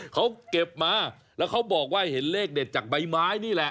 เขาเก็บมาแล้วเขาบอกว่าเห็นเลขเด็ดจากใบไม้นี่แหละ